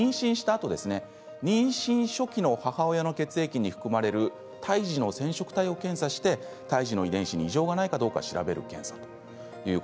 あと妊娠初期の母親の血液に含まれる胎児の染色体を検査して胎児の遺伝子に異常がないかどうか調べる検査です。